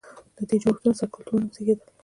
له دې جوړښتونو څخه کلتورونه وزېږېدل.